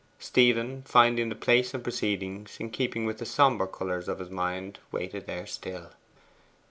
Stephen, finding the place and proceedings in keeping with the sombre colours of his mind, waited there still.